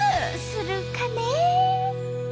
するかね？